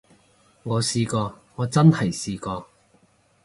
我試過，我真係試過